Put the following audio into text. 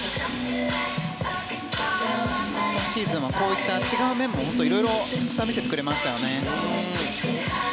今シーズンはこういった違う面もたくさん見せてくれましたよね。